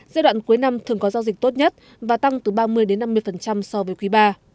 giai đoạn cuối năm thường có giao dịch tốt nhất và tăng từ ba mươi năm mươi so với quý ii